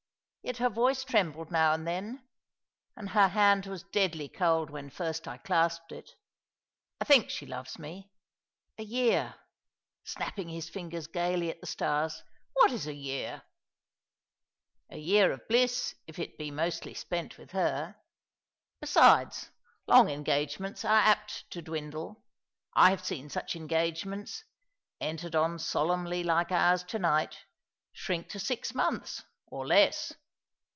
" Yet her Yoice trembled now and then — and her hand was deadly cold when first I clasped it I think she loves me. A year," — snapping his fingers gaily at the stars —" what is a year ? A year of bliss if it be mostly spent with her. Besides, long engagements are apt to dwindle. I have seen such engage ments—entered on solemnly like ours to night— shrink to six months, or less.